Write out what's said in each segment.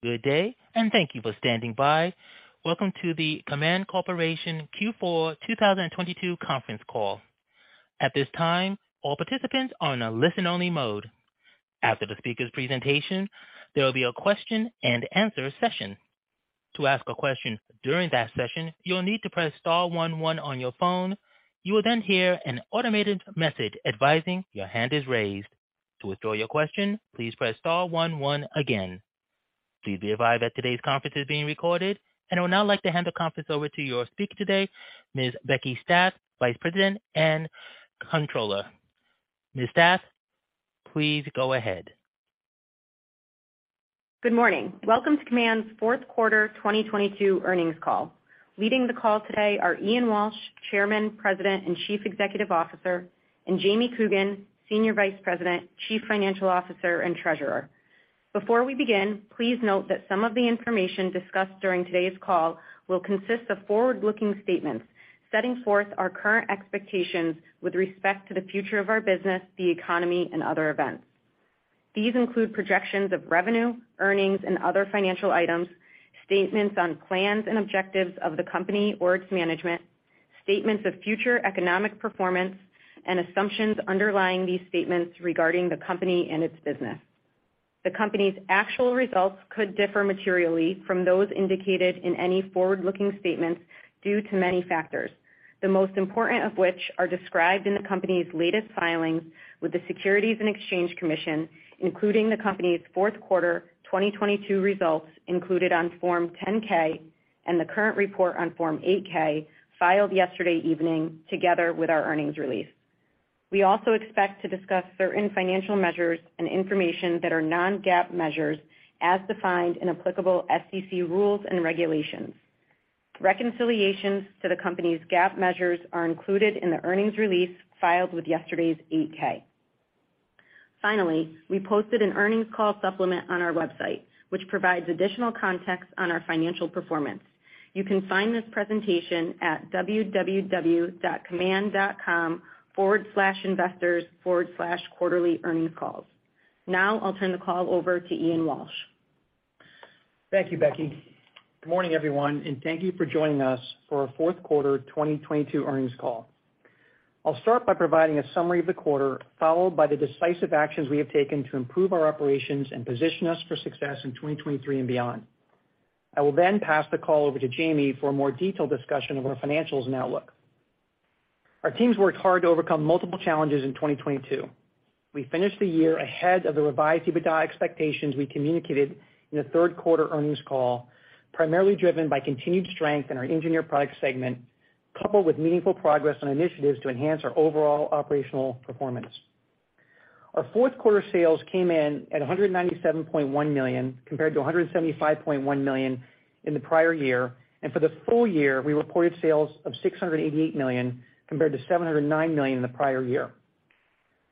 Good day. Thank you for standing by. Welcome to the Kaman Corporation Q4 2022 conference call. At this time, all participants are on a listen-only mode. After the speaker's presentation, there will be a question-and-answer session. To ask a question during that session, you'll need to press star one one on your phone. You will hear an automated message advising your hand is raised. To withdraw your question, please press star one one again. Please be advised that today's conference is being recorded. I would now like to hand the conference over to your speaker today, Ms. Becky Stath, Vice President and Controller. Ms. Stath, please go ahead. Good morning. Welcome to Kaman's Q4 2022 earnings call. Leading the call today are Ian Walsh, Chairman, President, and Chief Executive Officer, and Jimmy Coogan, Senior Vice President, Chief Financial Officer, and Treasurer. Before we begin, please note that some of the information discussed during today's call will consist of forward-looking statements setting forth our current expectations with respect to the future of our business, the economy, and other events. These include projections of revenue, earnings, and other financial items, statements on plans and objectives of the company or its management, statements of future economic performance, and assumptions underlying these statements regarding the company and its business. The company's actual results could differ materially from those indicated in any forward-looking statements due to many factors, the most important of which are described in the company's latest filings with the Securities and Exchange Commission, including the company's Q4 2022 results included on Form 10-K and the current report on Form 8-K filed yesterday evening together with our earnings release. We also expect to discuss certain financial measures and information that are non-GAAP measures as defined in applicable SEC rules and regulations. Reconciliations to the company's GAAP measures are included in the earnings release filed with yesterday's 8-K. We posted an earnings call supplement on our website, which provides additional context on our financial performance. You can find this presentation at www.kaman.com/investors/quarterly earning calls. I'll turn the call over to Ian Walsh. Thank you, Becky. Good morning, everyone, thank you for joining us for our Q4 2022 earnings call. I'll start by providing a summary of the quarter, followed by the decisive actions we have taken to improve our operations and position us for success in 2023 and beyond. I will pass the call over to Jimmy for a more detailed discussion of our financials and outlook. Our teams worked hard to overcome multiple challenges in 2022. We finished the year ahead of the revised EBITDA expectations we communicated in the Q3 earnings call, primarily driven by continued strength in our engineered products segment, coupled with meaningful progress on initiatives to enhance our overall operational performance. Our Q4 sales came in at $197.1 million, compared to $175.1 million in the prior year. For the full year, we reported sales of $688 million, compared to $709 million in the prior year.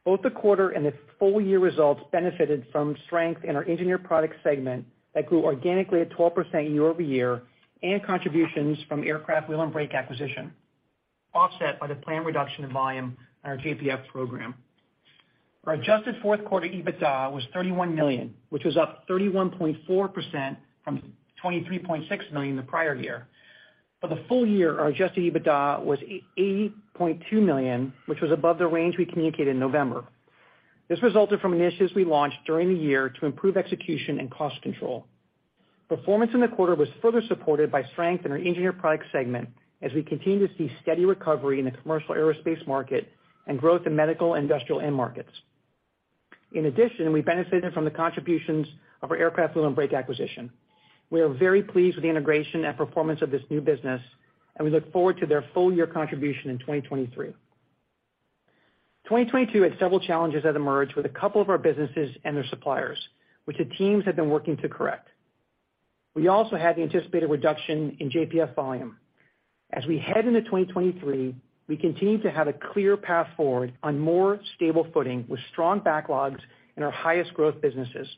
Both the quarter and the full year results benefited from strength in our engineered products segment that grew organically at 12% year-over-year and contributions from Aircraft Wheel & Brake acquisition, offset by the planned reduction in volume on our JPF program. Our adjusted Q4 EBITDA was $31 million, which was up 31.4% from $23.6 million the prior year. For the full year, our adjusted EBITDA was $80.2 million, which was above the range we communicated in November. This resulted from initiatives we launched during the year to improve execution and cost control. Performance in the quarter was further supported by strength in our engineered products segment as we continue to see steady recovery in the commercial aerospace market and growth in medical and industrial end markets. In addition, we benefited from the contributions of our Aircraft Wheel & Brake acquisition. We are very pleased with the integration and performance of this new business, and we look forward to their full year contribution in 2023. 2022 had several challenges that emerged with a couple of our businesses and their suppliers, which the teams have been working to correct. We also had the anticipated reduction in JPF volume. As we head into 2023, we continue to have a clear path forward on more stable footing with strong backlogs in our highest growth businesses.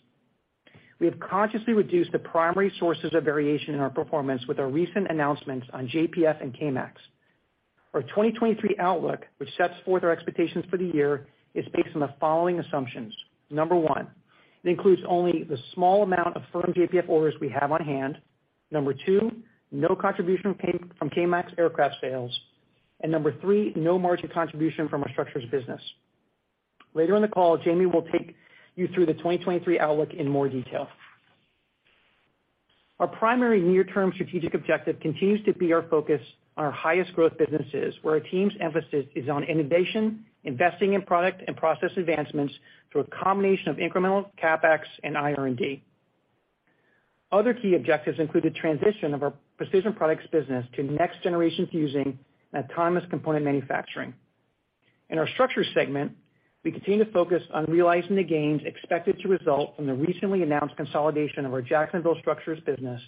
We have consciously reduced the primary sources of variation in our performance with our recent announcements on JPF and K-MAX. Our 2023 outlook, which sets forth our expectations for the year, is based on the following assumptions. Number one it includes only the small amount of firm JPF orders we have on hand. Number two, no contribution from K-MAX aircraft sales. Number three, no margin contribution from our structures business. Later in the call, Jimmy will take you through the 2023 outlook in more detail. Our primary near-term strategic objective continues to be our focus on our highest growth businesses, where our team's emphasis is on innovation, investing in product and process advancements through a combination of incremental CapEx and IR&D. Other key objectives include the transition of our precision products business to next-generation fusing and autonomous component manufacturing. In our structures segment, we continue to focus on realizing the gains expected to result from the recently announced consolidation of our Jacksonville structures business,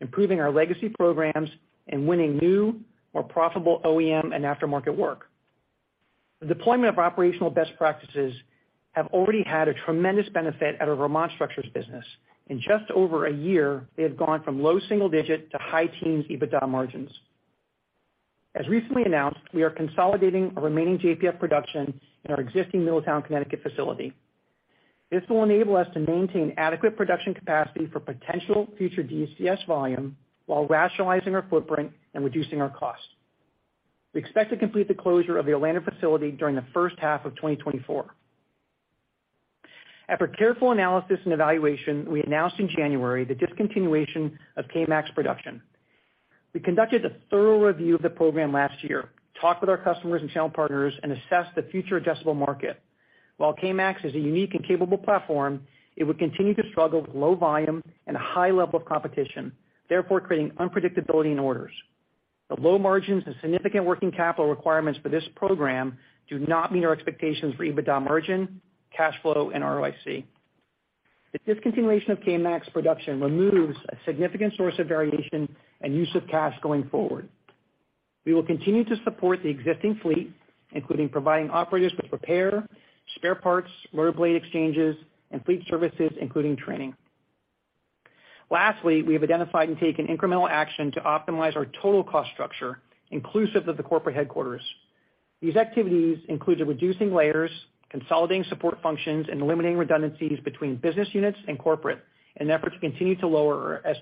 improving our legacy programs and winning new, more profitable OEM and aftermarket work. The deployment of operational best practices have already had a tremendous benefit at our Vermont structures business. In just over a year, they have gone from low single-digit to high teens EBITDA margins. As recently announced, we are consolidating our remaining JPF production in our existing Middletown, Connecticut facility. This will enable us to maintain adequate production capacity for potential future DCS volume while rationalizing our footprint and reducing our costs. We expect to complete the closure of the Orlando facility during the H1 of 2024. After careful analysis and evaluation, we announced in January the discontinuation of K-MAX production. We conducted a thorough review of the program last year, talked with our customers and channel partners, and assessed the future adjustable market. While K-MAX is a unique and capable platform, it would continue to struggle with low volume and a high level of competition, therefore creating unpredictability in orders. The low margins and significant working capital requirements for this program do not meet our expectations for EBITDA margin, cash flow, and ROIC. The discontinuation of K-MAX production removes a significant source of variation and use of cash going forward. We will continue to support the existing fleet, including providing operators with repair, spare parts, rotor blade exchanges, and fleet services, including training. Lastly, we have identified and taken incremental action to optimize our total cost structure, inclusive of the corporate headquarters. These activities include reducing layers, consolidating support functions, and eliminating redundancies between business units and corporate in an effort to continue to lower our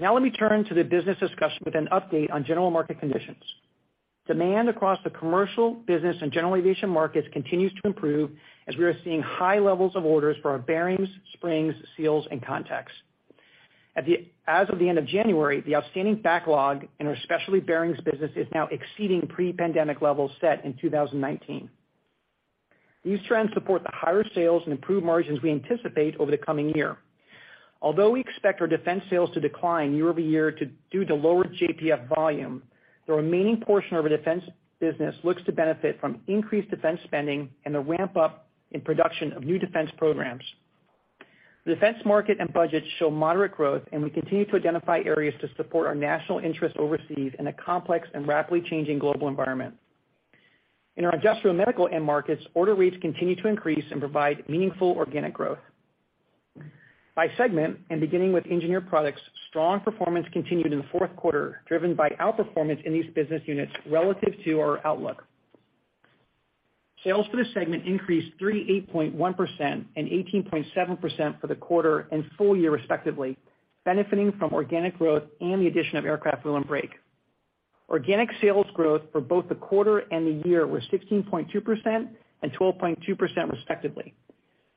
SG&A. Let me turn to the business discussion with an update on general market conditions. Demand across the commercial business and general aviation markets continues to improve as we are seeing high levels of orders for our bearings, springs, seals, and contacts. As of the end of January, the outstanding backlog in our specialty bearings business is now exceeding pre-pandemic levels set in 2019. These trends support the higher sales and improved margins we anticipate over the coming year. Although we expect our defense sales to decline year-over-year due to lower JPF volume, the remaining portion of our defense business looks to benefit from increased defense spending and the ramp-up in production of new defense programs. The defense market and budgets show moderate growth. We continue to identify areas to support our national interests overseas in a complex and rapidly changing global environment. In our industrial medical end markets, order rates continue to increase and provide meaningful organic growth. By segment and beginning with engineered products, strong performance continued in the Q4, driven by outperformance in these business units relative to our outlook. Sales for this segment increased 38.1% and 18.7% for the quarter and full year respectively, benefiting from organic growth and the addition of Aircraft Wheel & Brake. Organic sales growth for both the quarter and the year were 16.2% and 12.2%, respectively.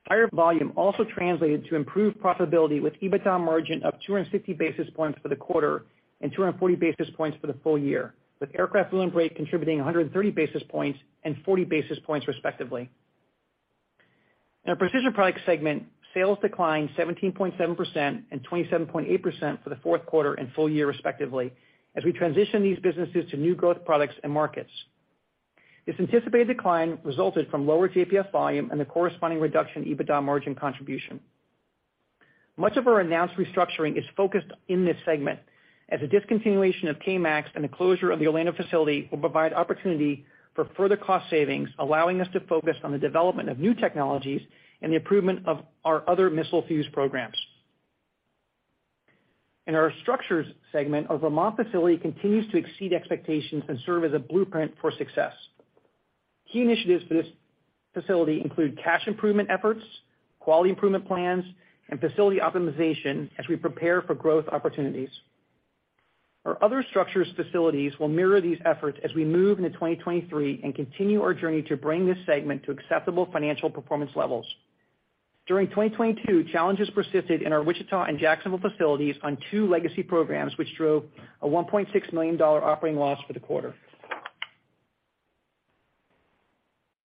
Higher volume also translated to improved profitability with EBITDA margin up 260 basis points for the quarter and 240 basis points for the full year, with Aircraft Wheel & Brake contributing 130 basis points and 40 basis points, respectively. In our precision products segment, sales declined 17.7% and 27.8% for the Q4 and full year, respectively, as we transition these businesses to new growth products and markets. This anticipated decline resulted from lower JPF volume and the corresponding reduction in EBITDA margin contribution. Much of our announced restructuring is focused in this segment, as the discontinuation of K-MAX and the closure of the Orlando facility will provide opportunity for further cost savings, allowing us to focus on the development of new technologies and the improvement of our other missile fuse programs. In our structures segment, our Vermont facility continues to exceed expectations and serve as a blueprint for success. Key initiatives for this facility include cash improvement efforts, quality improvement plans, and facility optimization as we prepare for growth opportunities. Our other structures facilities will mirror these efforts as we move into 2023 and continue our journey to bring this segment to acceptable financial performance levels. During 2022, challenges persisted in our Wichita and Jacksonville facilities on two legacy programs, which drove a $1.6 million operating loss for the quarter.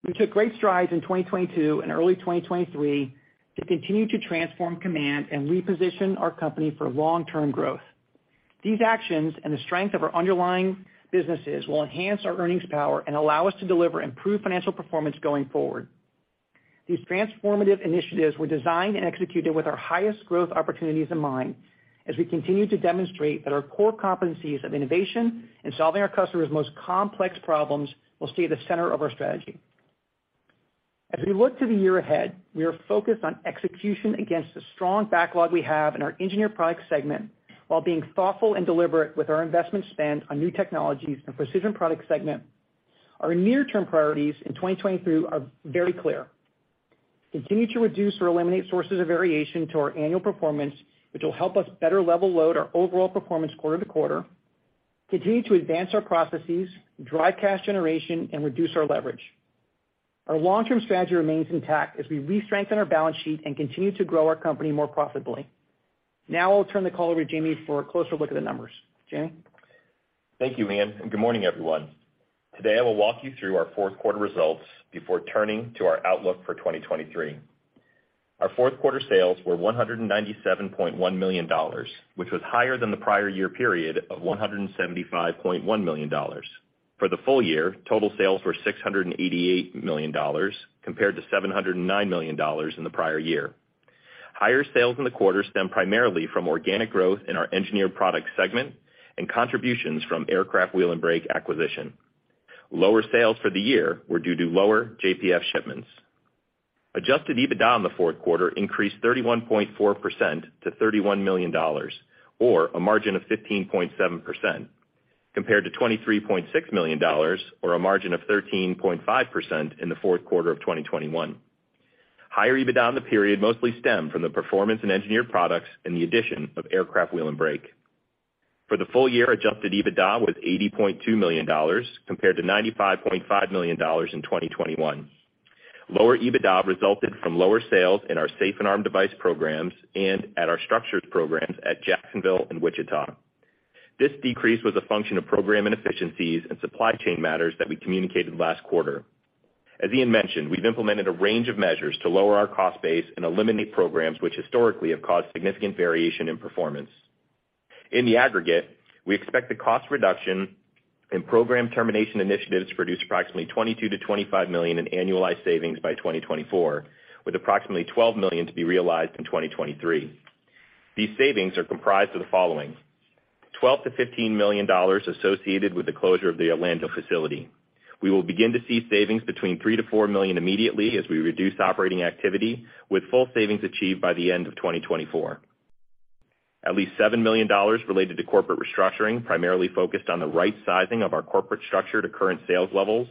We took great strides in 2022 and early 2023 to continue to transform Kaman and reposition our company for long-term growth. These actions and the strength of our underlying businesses will enhance our earnings power and allow us to deliver improved financial performance going forward. These transformative initiatives were designed and executed with our highest growth opportunities in mind as we continue to demonstrate that our core competencies of innovation and solving our customers' most complex problems will stay at the center of our strategy. As we look to the year ahead, we are focused on execution against the strong backlog we have in our engineered products segment while being thoughtful and deliberate with our investment spend on new technologies in the precision products segment. Our near-term priorities in 2023 are very clear. Continue to reduce or eliminate sources of variation to our annual performance, which will help us better level load our overall performance quarter to quarter, continue to advance our processes, drive cash generation, and reduce our leverage. Our long-term strategy remains intact as we re-strengthen our balance sheet and continue to grow our company more profitably. Now I'll turn the call over to Jimmy for a closer look at the numbers. Jimmy? Thank you, Ian. Good morning, everyone. Today, I will walk you through our Q4 results before turning to our outlook for 2023. Our Q4 sales were $197.1 million, which was higher than the prior year period of $175.1 million. For the full year, total sales were $688 million compared to $709 million in the prior year. Higher sales in the quarter stemmed primarily from organic growth in our engineered products segment and contributions from Aircraft Wheel & Brake acquisition. Lower sales for the year were due to lower JPF shipments. Adjusted EBITDA in the Q4 increased 31.4% to $31 million or a margin of 15.7% compared to $23.6 million or a margin of 13.5% in the Q4 of 2021. Higher EBITDA in the period mostly stemmed from the performance in engineered products and the addition of Aircraft Wheel & Brake. For the full year, adjusted EBITDA was $80.2 million compared to $95.5 million in 2021. Lower EBITDA resulted from lower sales in our safe and arm device programs and at our structures programs at Jacksonville and Wichita. This decrease was a function of program inefficiencies and supply chain matters that we communicated last quarter. As Ian mentioned, we've implemented a range of measures to lower our cost base and eliminate programs which historically have caused significant variation in performance. In the aggregate, we expect the cost reduction and program termination initiatives to produce approximately $22 million-$25 million in annualized savings by 2024, with approximately $12 million to be realized in 2023. These savings are comprised of the following: $12 million-$15 million associated with the closure of the Orlando facility. We will begin to see savings between $3 million-$4 million immediately as we reduce operating activity, with full savings achieved by the end of 2024. At least $7 million related to corporate restructuring, primarily focused on the right sizing of our corporate structure to current sales levels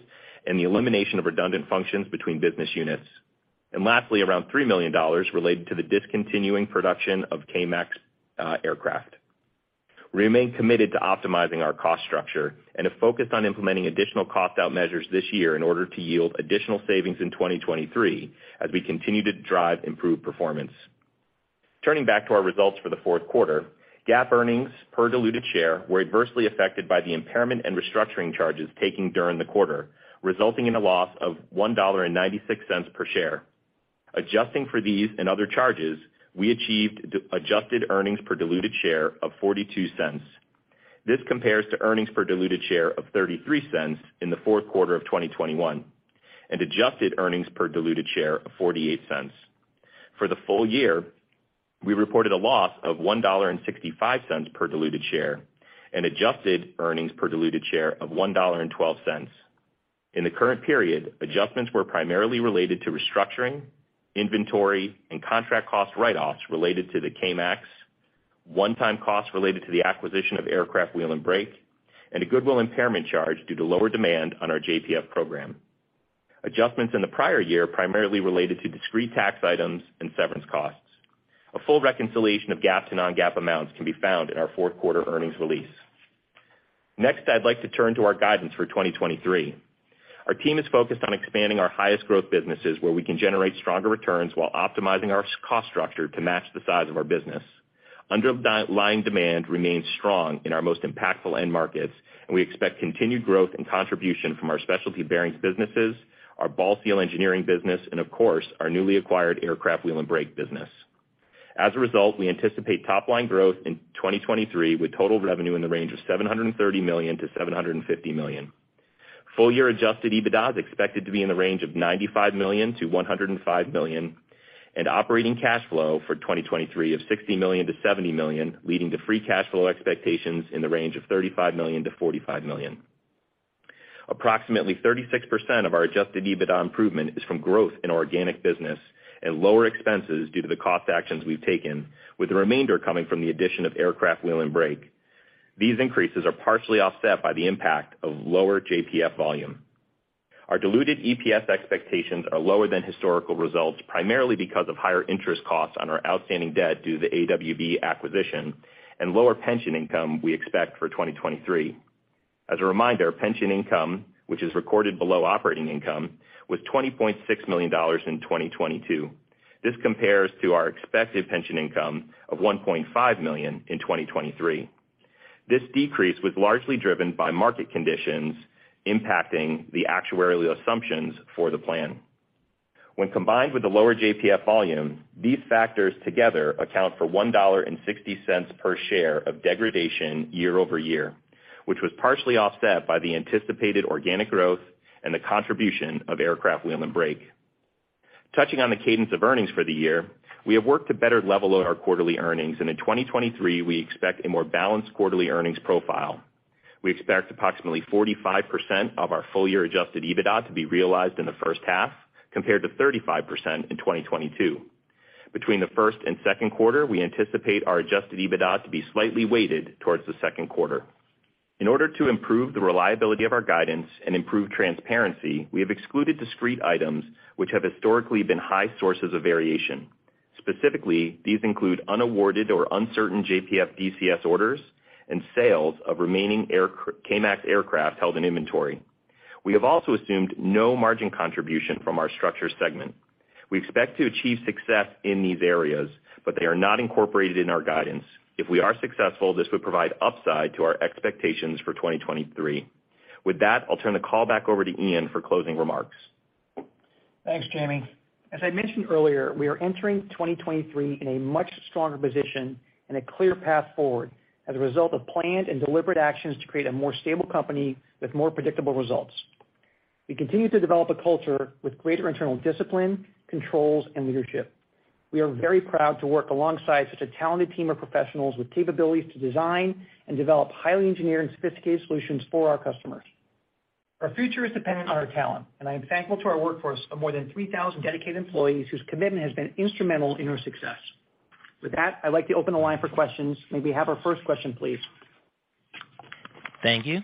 and the elimination of redundant functions between business units. Lastly, around $3 million related to the discontinuing production of K-MAX aircraft. We remain committed to optimizing our cost structure and have focused on implementing additional cost-out measures this year in order to yield additional savings in 2023 as we continue to drive improved performance. Turning back to our results for the Q4, GAAP earnings per diluted share were adversely affected by the impairment and restructuring charges taken during the quarter, resulting in a loss of $1.96 per share. Adjusting for these and other charges, we achieved adjusted earnings per diluted share of $0.42. This compares to earnings per diluted share of $0.33 in the Q4 of 2021, and adjusted earnings per diluted share of $0.48. For the full year, we reported a loss of $1.65 per diluted share and adjusted earnings per diluted share of $1.12. In the current period, adjustments were primarily related to restructuring, inventory, and contract cost write-offs related to the K-MAX, one-time costs related to the acquisition of Aircraft Wheel & Brake, and a goodwill impairment charge due to lower demand on our JPF program. Adjustments in the prior year primarily related to discrete tax items and severance costs. A full reconciliation of GAAP to non-GAAP amounts can be found in our Q4 earnings release. I'd like to turn to our guidance for 2023. Our team is focused on expanding our highest growth businesses where we can generate stronger returns while optimizing our cost structure to match the size of our business. Underlying demand remains strong in our most impactful end markets, and we expect continued growth and contribution from our specialty bearings businesses, our Bal Seal Engineering business, and of course, our newly acquired Aircraft Wheel & Brake business. As a result, we anticipate top-line growth in 2023 with total revenue in the range of $730 million-$750 million. Full year adjusted EBITDA is expected to be in the range of $95 million-$105 million, and operating cash flow for 2023 of $60 million-$70 million, leading to free cash flow expectations in the range of $35 million-$45 million. Approximately 36% of our adjusted EBITDA improvement is from growth in organic business and lower expenses due to the cost actions we've taken, with the remainder coming from the addition of Aircraft Wheel & Brake. These increases are partially offset by the impact of lower JPF volume. Our diluted EPS expectations are lower than historical results, primarily because of higher interest costs on our outstanding debt due to the AWB acquisition and lower pension income we expect for 2023. As a reminder, pension income, which is recorded below operating income, was $20.6 million in 2022. This compares to our expected pension income of $1.5 million in 2023. This decrease was largely driven by market conditions impacting the actuarial assumptions for the plan. Combined with the lower JPF volume, these factors together account for $1.60 per share of degradation year-over-year, which was partially offset by the anticipated organic growth and the contribution of Aircraft Wheel & Brake. Touching on the cadence of earnings for the year, we have worked to better level our quarterly earnings. In 2023, we expect a more balanced quarterly earnings profile. We expect approximately 45% of our full year adjusted EBITDA to be realized in the H1, compared to 35% in 2022. Between the Q1 and Q2, we anticipate our adjusted EBITDA to be slightly weighted towards the second quarter. In order to improve the reliability of our guidance and improve transparency, we have excluded discrete items which have historically been high sources of variation. Specifically, these include unawarded or uncertain JPF DCS orders and sales of remaining K-MAX aircraft held in inventory. We have also assumed no margin contribution from our structure segment. We expect to achieve success in these areas, they are not incorporated in our guidance. If we are successful, this would provide upside to our expectations for 2023. With that, I'll turn the call back over to Ian for closing remarks. Thanks, Jimmy. As I mentioned earlier, we are entering 2023 in a much stronger position and a clear path forward as a result of planned and deliberate actions to create a more stable company with more predictable results. We continue to develop a culture with greater internal discipline, controls, and leadership. We are very proud to work alongside such a talented team of professionals with capabilities to design and develop highly engineered and sophisticated solutions for our customers. Our future is dependent on our talent, and I am thankful to our workforce of more than 3,000 dedicated employees whose commitment has been instrumental in our success. With that, I'd like to open the line for questions. May we have our first question, please? Thank you.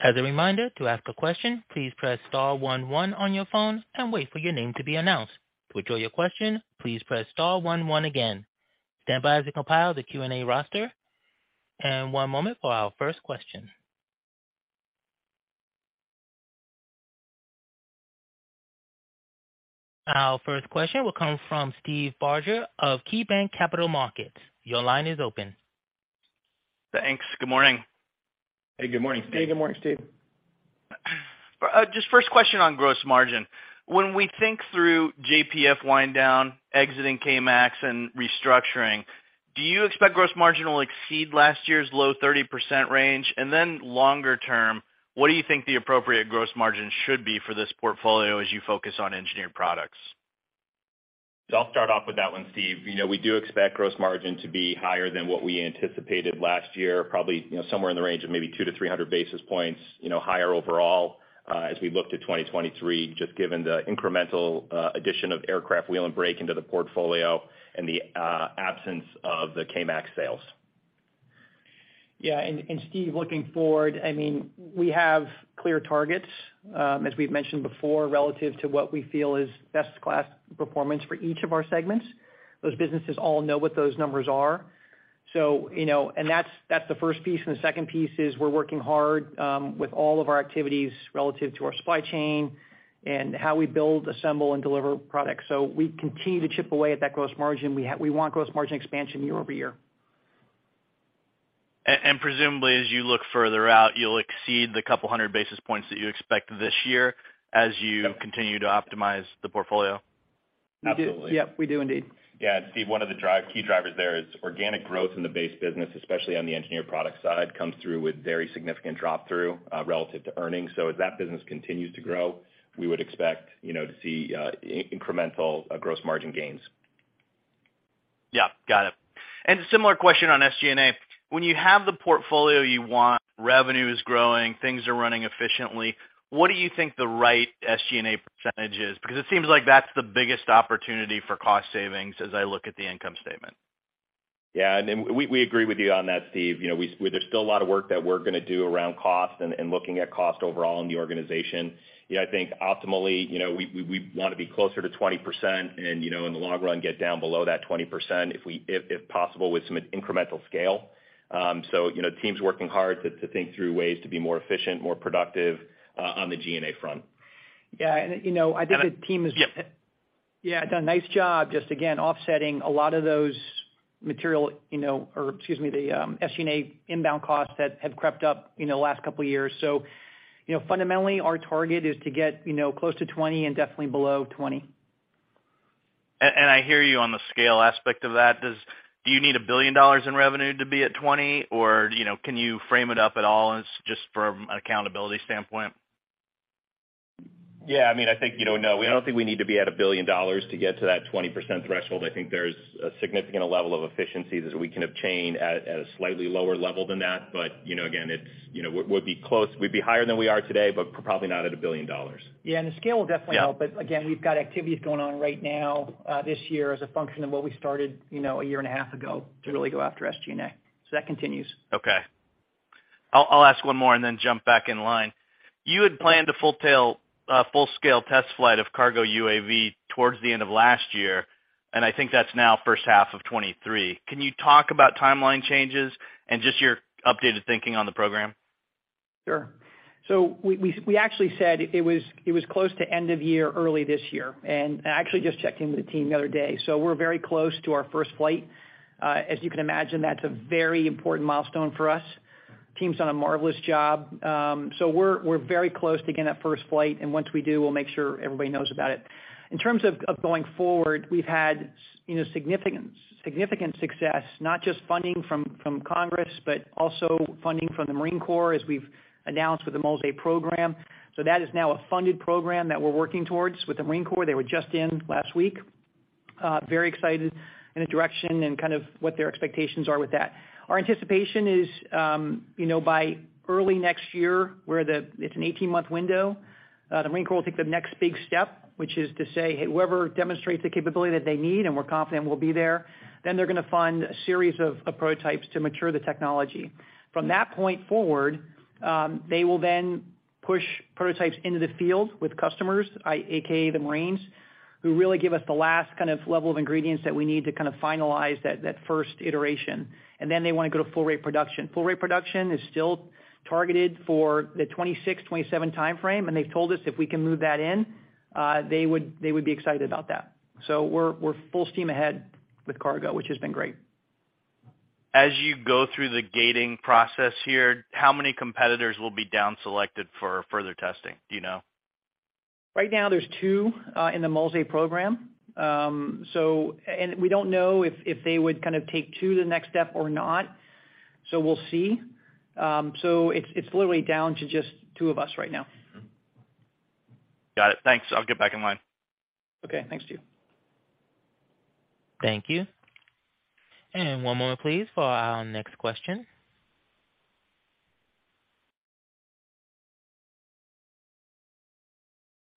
As a reminder, to ask a question, please press star one one on your phone and wait for your name to be announced. To withdraw your question, please press star one one again. Stand by as we compile the Q&A roster, one moment for our first question. Our first question will come from Steve Barger of KeyBanc Capital Markets. Your line is open. Thanks. Good morning. Hey, good morning, Steve. Hey, good morning, Steve. Just first question on gross margin. When we think through JPF wind down, exiting K-MAX and restructuring, do you expect gross margin will exceed last year's low 30% range? Longer term, what do you think the appropriate gross margin should be for this portfolio as you focus on engineered products? I'll start off with that one, Steve. You know, we do expect gross margin to be higher than what we anticipated last year, probably, you know, somewhere in the range of maybe 200-300 basis points, you know, higher overall, as we look to 2023, just given the incremental, addition of Aircraft Wheel & Brake into the portfolio and the, absence of the K-MAX sales. Yeah, and Steve, looking forward, I mean, we have clear targets, as we've mentioned before, relative to what we feel is best-in-class performance for each of our segments. Those businesses all know what those numbers are. You know, that's the first piece, and the second piece is we're working hard with all of our activities relative to our supply chain and how we build, assemble, and deliver products. We continue to chip away at that gross margin. We want gross margin expansion year-over-year. presumably, as you look further out, you'll exceed the 200 basis points that you expect this year as you continue to optimize the portfolio. We do. Absolutely. Yep, we do indeed. Yeah. Steve, one of the key drivers there is organic growth in the base business, especially on the engineered product side, comes through with very significant drop-through relative to earnings. As that business continues to grow, we would expect, you know, to see incremental gross margin gains. Yeah, got it. A similar question on SG&A. When you have the portfolio you want, revenue is growing, things are running efficiently, what do you think the right SG&A percentage is? It seems like that's the biggest opportunity for cost savings as I look at the income statement. Yeah. We agree with you on that, Steve. You know, there's still a lot of work that we're gonna do around cost and looking at cost overall in the organization. You know, I think optimally, you know, we wanna be closer to 20% and, you know, in the long run, get down below that 20% if possible with some incremental scale. So, you know, the team's working hard to think through ways to be more efficient, more productive, on the G&A front. Yeah. You know, I think the team. Yep. Done a nice job just again, offsetting a lot of those material, you know, SG&A inbound costs that have crept up, you know, the last couple of years. Fundamentally, you know, our target is to get, you know, close to 20 and definitely below 20. I hear you on the scale aspect of that. Do you need $1 billion in revenue to be at 20 or, you know, can you frame it up at all as just from an accountability standpoint? Yeah. I mean, I think, you know, no. We don't think we need to be at $1 billion to get to that 20% threshold. I think there's a significant level of efficiencies that we can obtain at a slightly lower level than that. You know, again, it's, you know, we're, we'd be close. We'd be higher than we are today, but probably not at $1 billion. Yeah. The scale will definitely help. Yeah. We've got activities going on right now, this year as a function of what we started, you know, a year and a half ago to really go after SG&A. That continues. Okay. I'll ask one more and then jump back in line. You had planned a full scale test flight of KARGO UAV towards the end of last year, and I think that's now H1 of 2023. Can you talk about timeline changes and just your updated thinking on the program? Sure. We actually said it was, it was close to end of year, early this year. I actually just checked in with the team the other day. We're very close to our first flight. As you can imagine, that's a very important milestone for us. Team's done a marvelous job. We're very close to getting that first flight, and once we do, we'll make sure everybody knows about it. In terms of going forward, we've had you know, significant success, not just funding from Congress, but also funding from the Marine Corps, as we've announced with the MULS-A program. That is now a funded program that we're working towards with the Marine Corps. They were just in last week. Very excited in the direction and kind of what their expectations are with that. Our anticipation is, you know, by early next year, it's an 18-month window, the Marine Corps will take the next big step, which is to say, "Hey, whoever demonstrates the capability that they need," and we're confident we'll be there, then they're gonna fund a series of prototypes to mature the technology. From that point forward, they will then push prototypes into the field with customers, AKA the Marines, who really give us the last kind of level of ingredients that we need to kind of finalize that first iteration. Then they wanna go to full rate production. Full rate production is still targeted for the 2026-2027 timeframe, and they've told us if we can move that in, they would be excited about that. We're full steam ahead with cargo, which has been great. As you go through the gating process here, how many competitors will be down selected for further testing? Do you know? Right now there's twp in the MULS-A program. We don't know if they would kind of take two to the next step or not. We'll see. It's literally down to just two of us right now. Got it. Thanks. I'll get back in line. Okay, thanks to you. Thank you. One more please for our next question.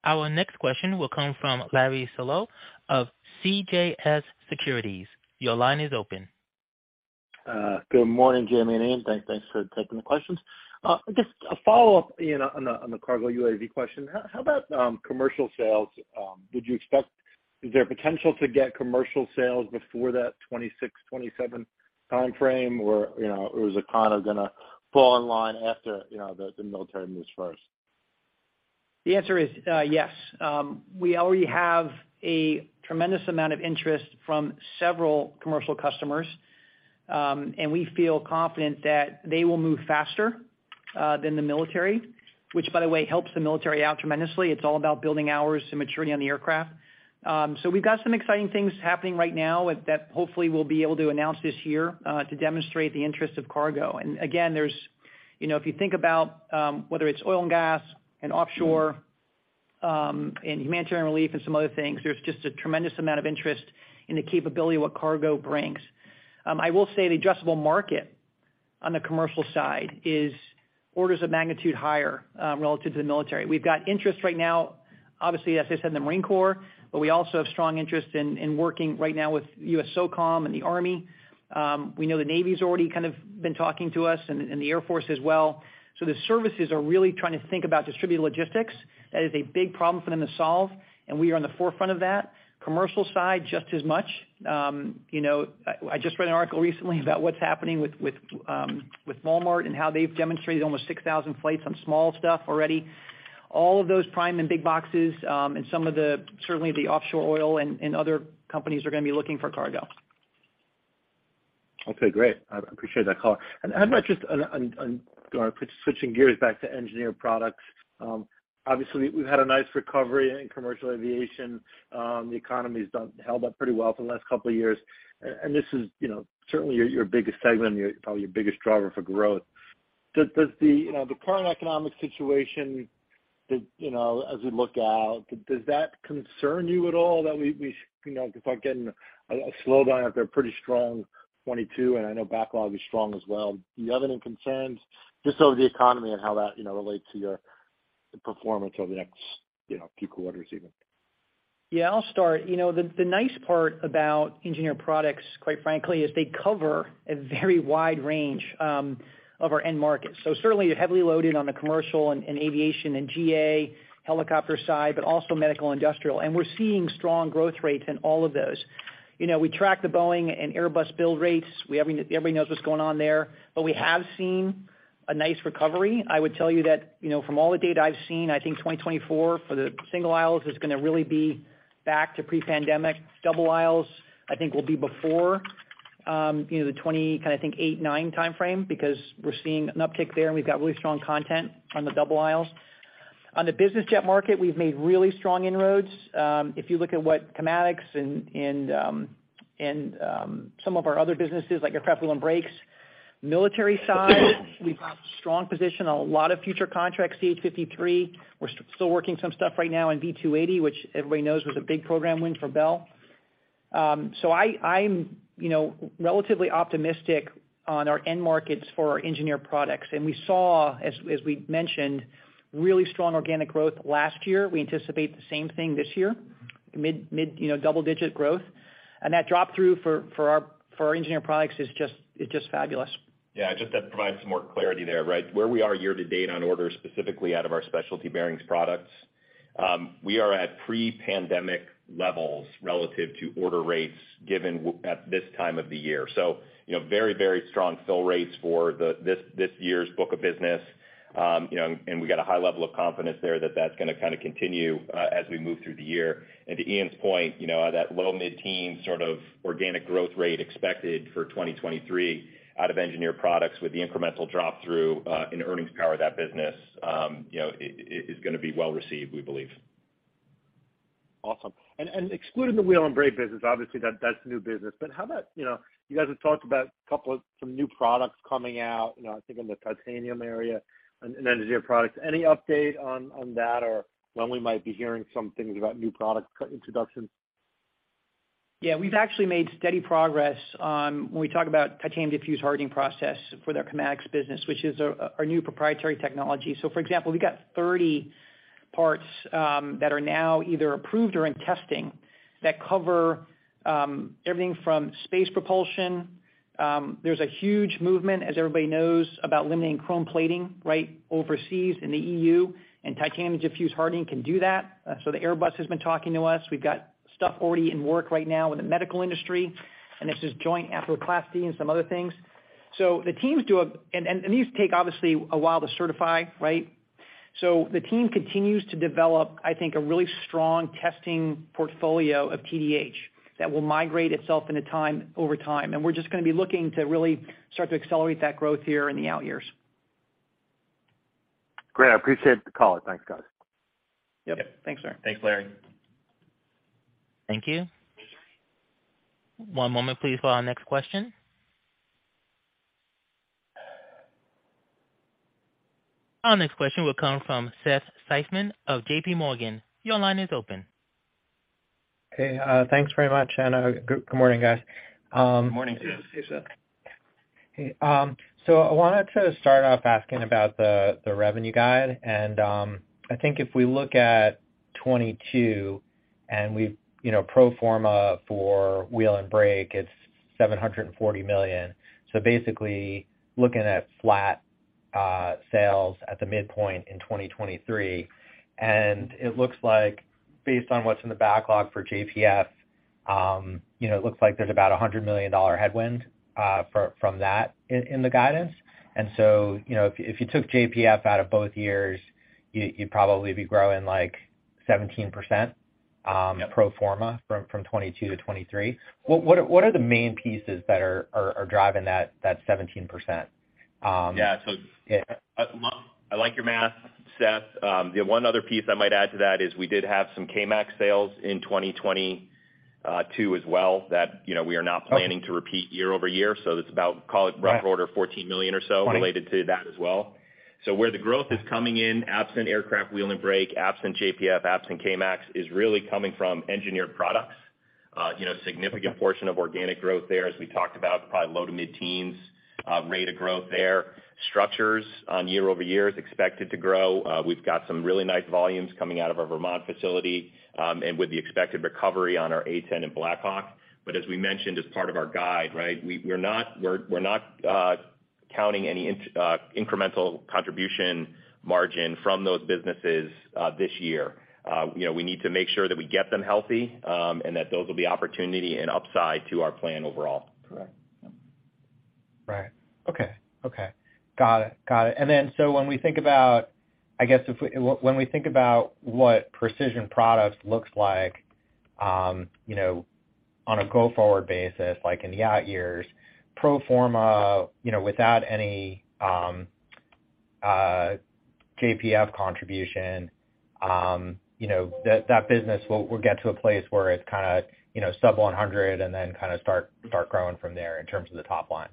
Our next question will come from Larry Solow of CJS Securities. Your line is open. Good morning, Jimmy and Ian. Thanks for taking the questions. Just a follow-up, Ian, on the KARGO UAV question. How about commercial sales? Is there potential to get commercial sales before that 2026, 2027 timeframe, or, you know, or is it kinda gonna fall in line after, you know, the military moves first? The answer is yes. We already have a tremendous amount of interest from several commercial customers, and we feel confident that they will move faster than the military, which by the way helps the military out tremendously. It's all about building hours to maturity on the aircraft. We've got some exciting things happening right now that hopefully we'll be able to announce this year to demonstrate the interest of KARGO. Again, there's, you know, if you think about, whether it's oil and gas and offshore, and humanitarian relief and some other things, there's just a tremendous amount of interest in the capability of what KARGO brings. I will say the addressable market on the commercial side is orders of magnitude higher relative to the military. We've got interest right now, obviously, as I said, in the Marine Corps, but we also have strong interest in working right now with USSOCOM and the Army. We know the Navy's already kind of been talking to us and the Air Force as well. The services are really trying to think about distributed logistics. That is a big problem for them to solve, and we are on the forefront of that. Commercial side, just as much. You know, I just read an article recently about what's happening with Walmart and how they've demonstrated almost 6,000 flights on small stuff already. All of those Prime and big boxes, and some of the, certainly the offshore oil and other companies are gonna be looking for cargo. Okay, great. I appreciate that color. How about just switching gears back to engineered products? Obviously we've had a nice recovery in commercial aviation. The economy's held up pretty well for the last couple of years. This is, you know, certainly your biggest segment, probably your biggest driver for growth. Does the, you know, the current economic situation that, you know, as we look out, does that concern you at all that we, you know, could start getting a slowdown out there, pretty strong 2022, and I know backlog is strong as well? Do you have any concerns just over the economy and how that, you know, relates to your performance over the next, you know, few quarters even? Yeah, I'll start. You know, the nice part about engineered products, quite frankly, is they cover a very wide range of our end markets. Certainly you're heavily loaded on the commercial and aviation and GA helicopter side, but also medical industrial. We're seeing strong growth rates in all of those. You know, we track the Boeing and Airbus build rates. Everybody knows what's going on there. We have seen a nice recovery. I would tell you that, you know, from all the data I've seen, I think 2024 for the single aisles is gonna really be back to pre-pandemic. Double aisles, I think, will be before, you know, the 2008-2009 timeframe because we're seeing an uptick there and we've got really strong content on the double aisles. On the business jet market, we've made really strong inroads. If you look at what Kamatics and some of our other businesses like Aircraft Wheel & Brake. Military side, we've got strong position on a lot of future contracts, CH-53. We're still working some stuff right now in V-280, which everybody knows was a big program win for Bell. So I'm, you know, relatively optimistic on our end markets for our engineered products. We saw, as we mentioned, really strong organic growth last year. We anticipate the same thing this year, mid, you know, double-digit growth. That drop through for our engineered products is just fabulous. Yeah, just to provide some more clarity there, right? Where we are year to date on orders, specifically out of our specialty bearings products, we are at pre-pandemic levels relative to order rates given at this time of the year. You know, very strong fill rates for this year's book of business. You know, we've got a high level of confidence there that that's gonna kinda continue as we move through the year. To Ian's point, you know, that low mid-teen sort of organic growth rate expected for 2023 out of engineered products with the incremental drop through in earnings power of that business, you know, is gonna be well received, we believe. Awesome. Excluding the Wheel & Brake business, obviously, that's new business. How about, you know, you guys have talked about a couple of some new products coming out, you know, I think in the titanium area in engineered products. Any update on that or when we might be hearing some things about new product introduction? Yeah. We've actually made steady progress when we talk about Titanium Diffusion Hardening process for their Kamatics business, which is our new proprietary technology. For example, we've got 30 parts that are now either approved or in testing that cover everything from space propulsion. There's a huge movement, as everybody knows, about limiting chrome plating, right? Overseas in the EU, Titanium Diffusion Hardening can do that. The Airbus has been talking to us. We've got stuff already in work right now with the medical industry, this is joint arthroplasty and some other things. These take obviously a while to certify, right? The team continues to develop, I think, a really strong testing portfolio of TDH that will migrate itself over time. We're just gonna be looking to really start to accelerate that growth here in the out years. Great. I appreciate the call. Thanks, guys. Yep. Thanks, Larry. Thank you. One moment please for our next question. Our next question will come from Seth Seifman of JPMorgan. Your line is open. Hey, thanks very much. Good morning, guys. Good morning. Hey, Seth. Hey. I wanted to start off asking about the revenue guide, and I think if we look at 2022 and you know, pro forma for Wheel & Brake, it's $740 million. Basically looking at flat sales at the midpoint in 2023. It looks like based on what's in the backlog for JPF, you know, it looks like there's about a $100 million headwind from that in the guidance. You know, if you took JPF out of both years, you'd probably be growing like 17% pro forma from 2022-2023. What are the main pieces that are driving that 17%? Yeah. I like your math, Seth. The one other piece I might add to that is we did have some K-MAX sales in 2022 as well, that, you know, we are not planning to repeat year-over-year. It's about, call it rough order, $14 million or so related to that as well. Where the growth is coming in, absent Aircraft Wheel & Brake, absent JPF, absent K-MAX, is really coming from engineered products. you know, significant portion of organic growth there, as we talked about, probably low to mid-teens% rate of growth there. Structures on year-over-year is expected to grow. We've got some really nice volumes coming out of our Vermont facility, and with the expected recovery on our A-10 and Black Hawk. As we mentioned as part of our guide, right, we're not counting any incremental contribution margin from those businesses, this year. You know, we need to make sure that we get them healthy, and that those will be opportunity and upside to our plan overall. Correct. Right. Okay. Okay. Got it. Got it. When we think about, I guess, when we think about what Precision Products looks like, you know, on a go-forward basis, like in the out years, pro forma, you know, without any JPF contribution, you know, that business will get to a place where it's kinda sub $100 million and then start growing from there in terms of the top line.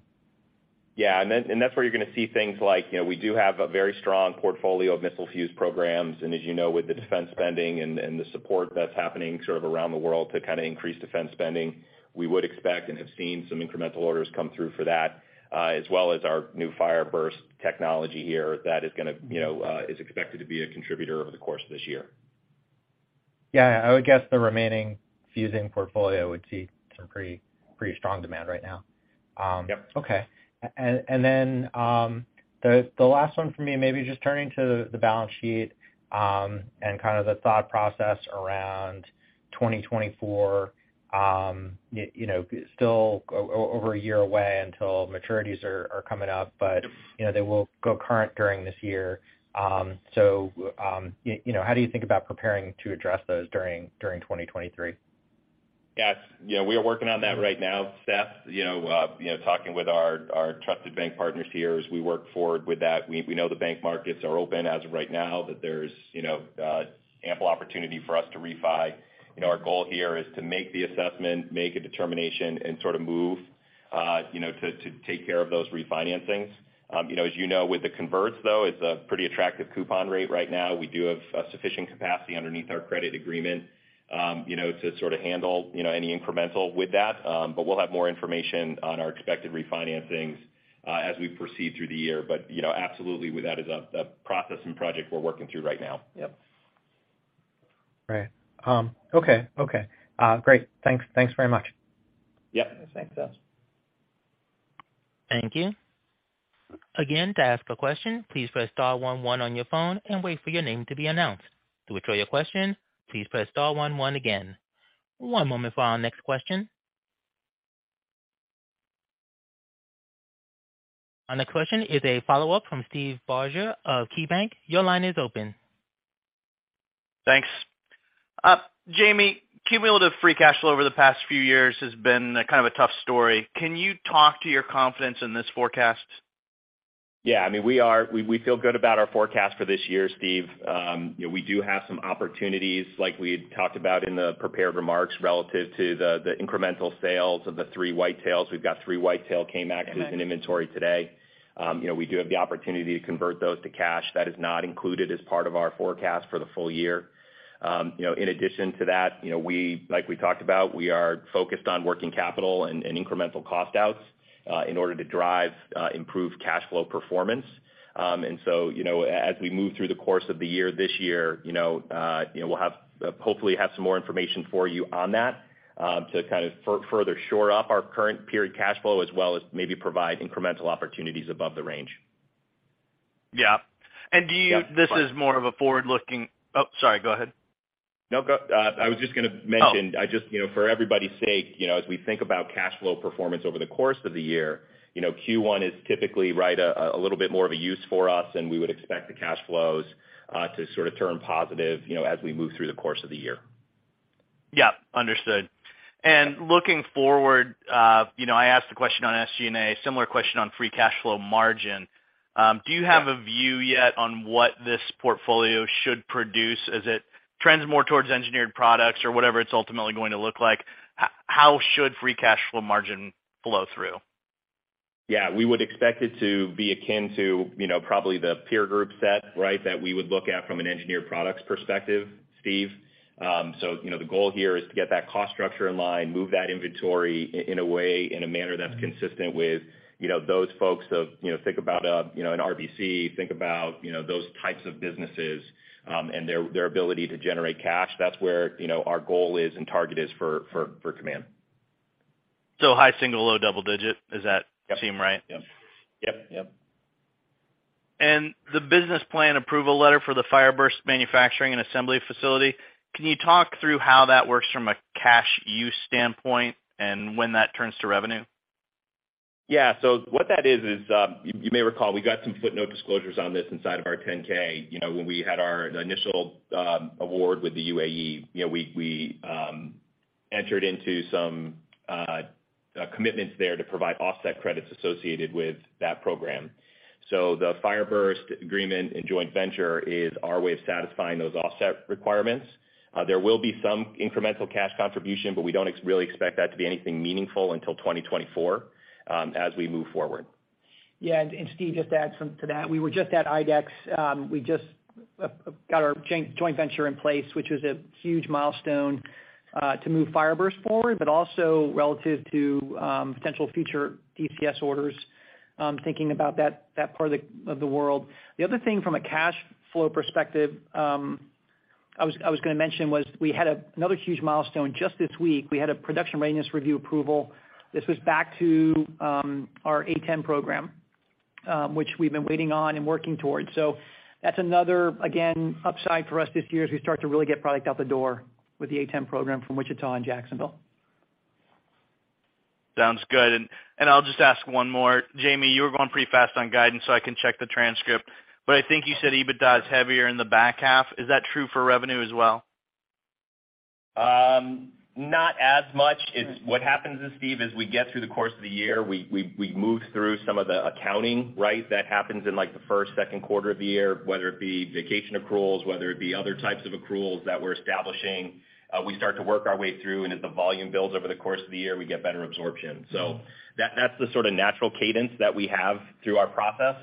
Yeah. That's where you're going to see things like, you know, we do have a very strong portfolio of missile fuse programs. As you know, with the defense spending and the support that's happening sort of around the world to kind of increase defense spending, we would expect and have seen some incremental orders come through for that, as well as our new FireBurst technology here that is going to, you know, is expected to be a contributor over the course of this year. Yeah. I would guess the remaining fuzing portfolio would see some pretty strong demand right now. Yep. Okay. The last one for me, maybe just turning to the balance sheet, and kind of the thought process around 2024, you know, still over a year away until maturities are coming up, but, you know, they will go current during this year. You know, how do you think about preparing to address those during 2023? Yes. You know, we are working on that right now, Seth, you know, you know, talking with our trusted bank partners here as we work forward with that. We, we know the bank markets are open as of right now, that there's, you know, ample opportunity for us to refi. You know, our goal here is to make the assessment, make a determination, and sort of move, you know, to take care of those refinancings. You know, as you know, with the converts, though, it's a pretty attractive coupon rate right now. We do have sufficient capacity underneath our credit agreement, you know, to sort of handle, you know, any incremental with that. We'll have more information on our expected refinancings, as we proceed through the year. You know, absolutely with that is a process and project we're working through right now. Yep. Right. Okay. Okay. Great. Thanks. Thanks very much. Yep. Thanks, Seth. Thank you. To ask a question, please press star one one on your phone and wait for your name to be announced. To withdraw your question, please press star one one again. One moment for our next question. Our next question is a follow-up from Steve Barger of KeyBanc. Your line is open. Thanks. Jimmy, cumulative free cash flow over the past few years has been a kind of a tough story. Can you talk to your confidence in this forecast? I mean, we feel good about our forecast for this year, Steve. You know, we do have some opportunities like we had talked about in the prepared remarks relative to the incremental sales of the three white tails. We've got three white tail K-MAX in inventory today. You know, we do have the opportunity to convert those to cash. That is not included as part of our forecast for the full year. In addition to that, you know, like we talked about, we are focused on working capital and incremental cost outs in order to drive improved cash flow performance. You know, as we move through the course of the year this year, you know, you know, hopefully have some more information for you on that, to kind of further shore up our current period cash flow as well as maybe provide incremental opportunities above the range. Yeah. Yeah. This is more of a forward-looking... Oh, sorry. Go ahead. No, go. Oh. I just, you know, for everybody's sake, you know, as we think about cash flow performance over the course of the year, you know, Q1 is typically, right, a little bit more of a use for us, and we would expect the cash flows to sort of turn positive, you know, as we move through the course of the year. Yeah, understood. Looking forward, you know, I asked a question on SG&A, similar question on free cash flow margin. Do you have a view yet on what this portfolio should produce as it trends more towards engineered products or whatever it's ultimately going to look like? How should free cash flow margin flow through? Yeah. We would expect it to be akin to, you know, probably the peer group set, right? That we would look at from an engineered products perspective, Steve. You know, the goal here is to get that cost structure in line, move that inventory in a way, in a manner that's consistent with, you know, those folks of, you know, think about, you know, an RBC, think about, you know, those types of businesses, and their ability to generate cash. That's where, you know, our goal is and target is for Kaman. High single, low double digit, does that seem right? Yep. Yep. Yep. The business plan approval letter for the FireBurst manufacturing and assembly facility, can you talk through how that works from a cash use standpoint and when that turns to revenue? What that is, you may recall we got some footnote disclosures on this inside of our 10-K. You know, when we had our initial award with the UAE, you know, we, entered into some commitments there to provide offset credits associated with that program. The FireBurst agreement and joint venture is our way of satisfying those offset requirements. There will be some incremental cash contribution, but we don't really expect that to be anything meaningful until 2024, as we move forward. Yeah. Steve, just to add some to that, we were just at IDEX. We just got our joint venture in place, which was a huge milestone to move FireBurst forward, but also relative to potential future DCS orders, thinking about that part of the world. The other thing from a cash flow perspective, I was gonna mention was we had another huge milestone just this week. We had a production readiness review approval. This was back to our A-10 program, which we've been waiting on and working towards. That's another, again, upside for us this year as we start to really get product out the door with the A-10 program from Wichita and Jacksonville. I'll just ask one more. Jimmy ,you were going pretty fast on guidance, so I can check the transcript, but I think you said EBITDA is heavier in the back half. Is that true for revenue as well? Not as much. What happens is, Steve, as we get through the course of the year, we move through some of the accounting, right? That happens in, like, the first, second quarter of the year, whether it be vacation accruals, whether it be other types of accruals that we're establishing. We start to work our way through, and as the volume builds over the course of the year, we get better absorption. That's the sort of natural cadence that we have through our process.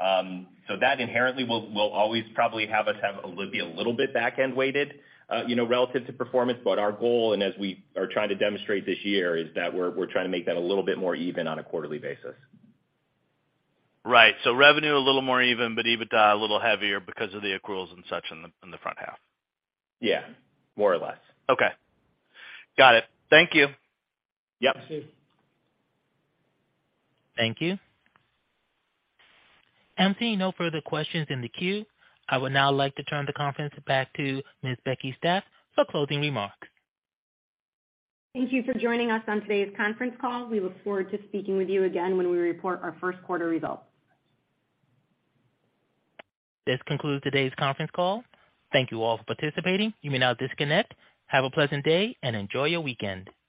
That inherently will always probably have us have a little bit back-end weighted relative to performance. Our goal and as we are trying to demonstrate this year, is that we're trying to make that a little bit more even on a quarterly basis. Right. revenue a little more even, but EBITDA a little heavier because of the accruals and such in the, in the front half. Yeah. More or less. Okay. Got it. Thank you. Yep. Thank you, Steve. Thank you. I'm seeing no further questions in the queue. I would now like to turn the conference back to Ms. Becky Stath for closing remarks. Thank you for joining us on today's conference call. We look forward to speaking with you again when we report our first quarter results. This concludes today's conference call. Thank you all for participating. You may now disconnect. Have a pleasant day and enjoy your weekend.